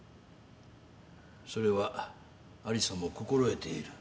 それは有沙も心得ている。